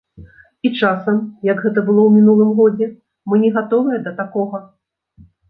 І часам, як гэта было ў мінулым годзе, мы не гатовыя да такога.